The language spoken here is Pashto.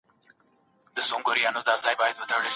مراقبه کول ستاسو روح ته سکون ورکوي.